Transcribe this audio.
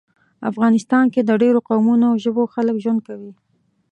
افغانستان کې د ډیرو قومونو او ژبو خلک ژوند کوي